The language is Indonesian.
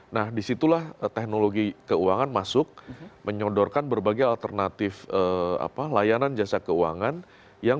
nah disitulah teknologi keuangan masuk menyodorkan berbagai alternatif layanan jasa keuangan yang